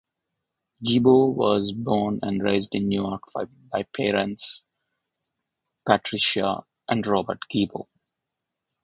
Gebo was born and raised in New York by parents Patricia and Robert Gebo.